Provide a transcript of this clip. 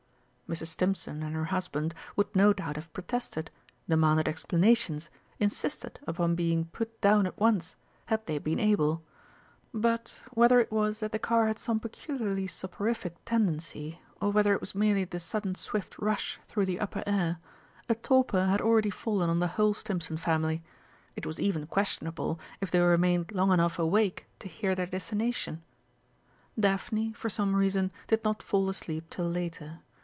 Mrs. Stimpson and her husband would no doubt have protested, demanded explanations, insisted upon being put down at once, had they been able; but, whether it was that the car had some peculiarly soporific tendency, or whether it was merely the sudden swift rush through the upper air, a torpor had already fallen on the whole Stimpson family. It was even questionable if they remained long enough awake to hear their destination. Daphne, for some reason, did not fall asleep till later.